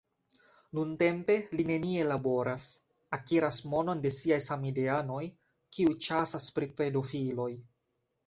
Nuntempe li nenie laboras, akiras monon de siaj samideanoj, kiuj ĉasas pri pedofiloj.